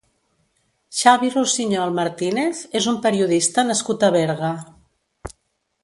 Xavi Rossinyol Martínez és un periodista nascut a Berga.